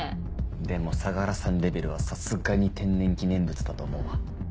でも相良さんレベルはさすがに天然記念物だと思うわ。